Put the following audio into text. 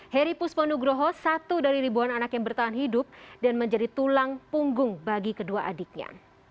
heri pusponugroho satu dari ribuan anak yang bertahan hidup dan menjadi tulang punggung bagi kedua adiknya